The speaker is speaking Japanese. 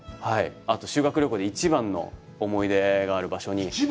あと、修学旅行で一番の思い出がある場所に。